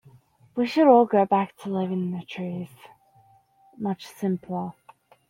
We should all go back to living in the trees, much simpler.